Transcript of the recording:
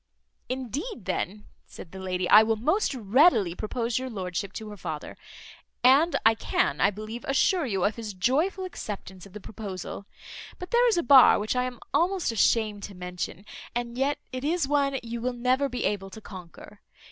"Indeed, then," said the lady, "I will most readily propose your lordship to her father; and I can, I believe, assure you of his joyful acceptance of the proposal; but there is a bar, which I am almost ashamed to mention; and yet it is one you will never be able to conquer.